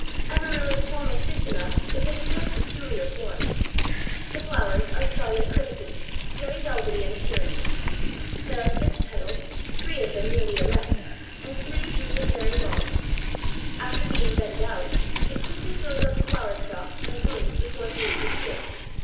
Amaryllis formosissima is of a very peculiar form. The flowers are scarlet crimson, very velvety in appearance; there are six petals, three of them nearly erect, and three drooping very long. After being bedded out, it quickly throws up a flower stalk and blooms before the leaves appear.